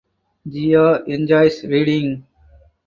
Jia enjoys reading.